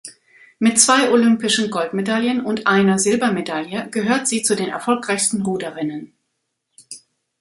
Mit zwei olympischen Goldmedaillen und einer Silbermedaille gehört sie zu den erfolgreichsten Ruderinnen.